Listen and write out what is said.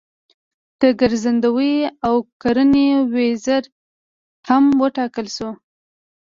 د ګرځندوی او کرنې وزیر هم وټاکل شول.